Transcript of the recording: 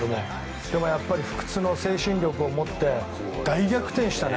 でも、やっぱり不屈の精神力を持って大逆転したね。